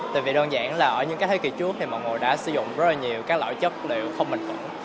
tại vì đơn giản là ở những thế kỷ trước thì mọi người đã sử dụng rất là nhiều các loại chất liệu không bình tĩnh